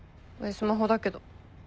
スマホだけど。